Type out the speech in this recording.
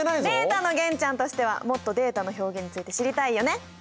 データの玄ちゃんとしてはもっとデータの表現について知りたいよね？